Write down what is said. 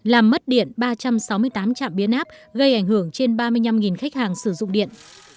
làm mất điện ba trăm sáu mươi tám trạm biến áp gây ảnh hưởng trên ba mươi năm khách hàng sử dụng điện